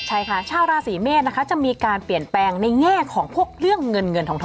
ใช่ค่ะชาวราศีเมษนะคะจะมีการเปลี่ยนแปลงในแง่ของพวกเรื่องเงินเงินทอง